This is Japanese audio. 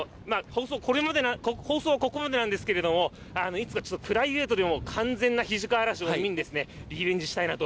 放送はここまでなんですけれども、いつかちょっとプライベートでも完全な肱川あらしを見にリベンジ